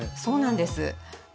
そうなんです。